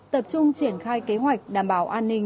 tập trung triển khai kế hoạch đảm bảo an ninh